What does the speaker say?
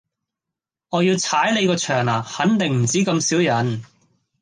我要踩你個場呢，肯定唔止咁少人